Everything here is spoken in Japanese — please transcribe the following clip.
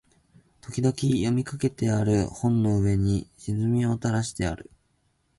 時々読みかけてある本の上に涎をたらしている